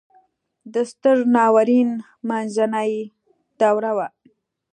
د ستر ناورین منځنۍ دوره وه.